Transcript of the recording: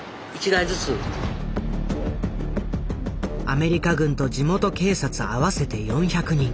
アメリカ軍と地元警察合わせて４００人。